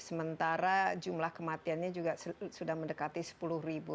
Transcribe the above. sementara jumlah kematiannya juga sudah mendekati sepuluh ribu